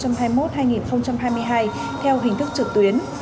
hai nghìn hai mươi một hai nghìn hai mươi hai theo hình thức trực tuyến